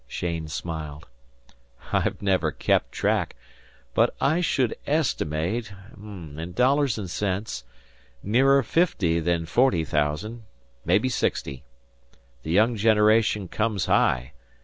Cheyne smiled. "I've never kept track, but I should estimate, in dollars and cents, nearer fifty than forty thousand; maybe sixty. The young generation comes high.